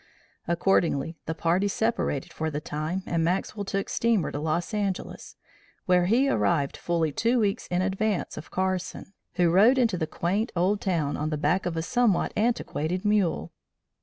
Accordingly, the party separated for the time and Maxwell took steamer to Los Angeles, where he arrived fully two weeks in advance of Carson, who rode into the quaint old town on the back of a somewhat antiquated mule.